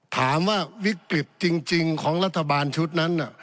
ถามว่าวิกฤตจริงของรัฐบาลชุดนั้น